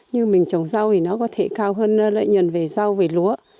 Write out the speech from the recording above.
như mình trồng dầu thì nó có thể cao hơn lợi nhuận về dầu về lúa